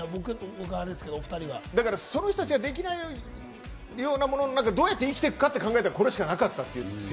おふたりはその人たちが出来ないようなものの中でどうやっていくかって考えたら、これしかなかったという。